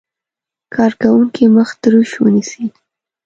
کارکوونکی مخ تروش ونیسي.